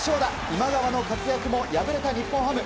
今川の活躍も敗れた日本ハム。